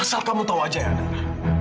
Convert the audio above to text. asal kamu tahu aja andara